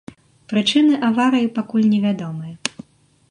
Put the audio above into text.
Прычыны аварыі пакуль невядомыя.